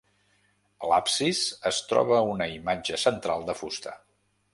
A l'absis es troba una imatge central de fusta.